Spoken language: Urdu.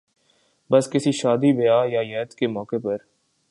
بس کسی شادی بیاہ یا عید کے موقع پر